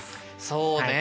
そうね。